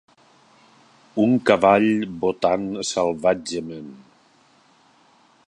Un cavall botant salvatgement